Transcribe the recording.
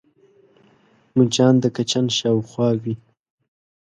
مچان د کچن شاوخوا وي